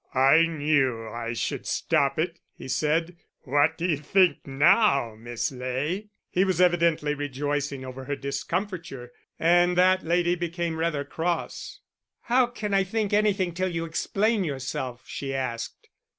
"I knew I should stop it," he said. "What do you think now, Miss Ley?" He was evidently rejoicing over her discomfiture, and that lady became rather cross. "How can I think anything till you explain yourself?" she asked.